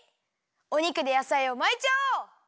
お肉でやさいをまいちゃおう！